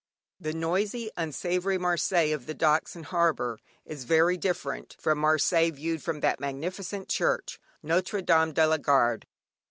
The noisy, unsavoury Marseilles of the docks and harbour is very different from Marseilles viewed from that magnificent church, "Notre Dame de la garde."